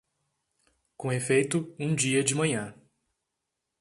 Com efeito, um dia de manhã